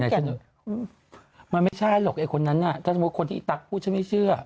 มันไม่ใช่หรอกไอ้คนนั้นน่ะถ้าสมมุติคนที่อีตั๊กพูดฉันไม่เชื่อ